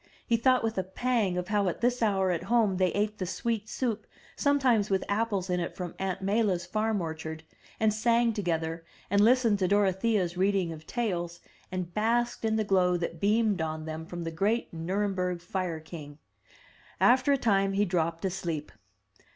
He thought with a pang of how at this hour at home they ate the sweet soup, sometimes with apples in it from Aunt Maila's farm orchard, and sang together, and listened to Dorothea's reading of tales, and basked in the glow that beamed on them from the great Nurem berg fire king. After a time he dropped asleep.